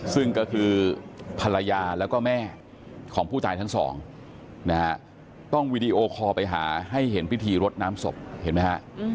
ซึ่งก็คือภรรยาแล้วก็แม่ของผู้ตายทั้งสองนะฮะต้องวีดีโอคอลไปหาให้เห็นพิธีรดน้ำศพเห็นไหมฮะ